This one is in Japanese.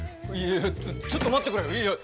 いやいやちょっと待ってくれよ！